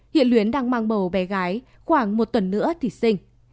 hiện luyến đang mang bầu bé gái khoảng một tuần nữa thì sinh